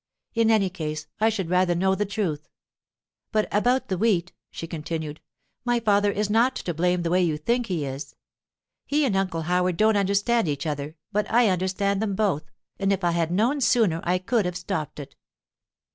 In any case, I should rather know the truth. But about the wheat,' she continued, 'my father is not to blame the way you think he is. He and Uncle Howard don't understand each other, but I understand them both, and if I had known sooner I could have stopped it.